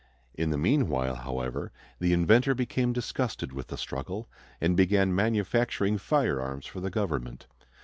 In the meanwhile, however, the inventor became disgusted with the struggle and began manufacturing firearms for the government.